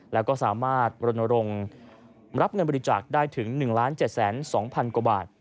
แล้วก็สามารถรณรงค์รับเงินบริจาคได้ถึง๑๗๒๐๐๐กว่าบาท